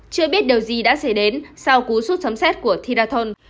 chưa biết điều gì đã xảy đến sau cú sút sấm xét của thị đà thôn